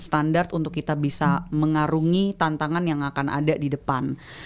standar untuk kita bisa mengarungi tantangan yang akan ada di depan